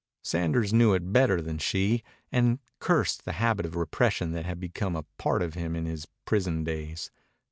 Sanders knew it better than she, and cursed the habit of repression that had become a part of him in his prison days.